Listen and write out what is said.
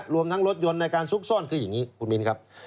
รวมทั้งรถยนต์ในการซุกซ่อนคืออย่างนี้คุณมินครับ